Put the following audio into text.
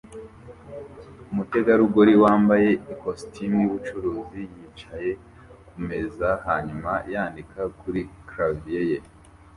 Umutegarugori wambaye ikositimu yubucuruzi yicaye kumeza hanyuma yandika kuri clavier ye